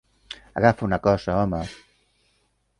Agafa una cosa, home.